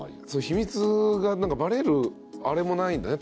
秘密がバレるあれもないんだね